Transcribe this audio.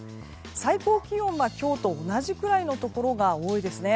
最高気温は今日と同じくらいのところが多いですね。